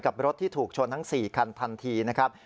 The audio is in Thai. รถที่ถูกชนทั้ง๔คันทันทีนะครับ